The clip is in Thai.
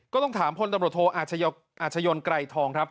ก็ต้องถามพลตำรวจโทอาชญนไกรทองครับ